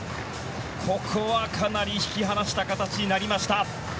ここは、かなり引き離した形になりました。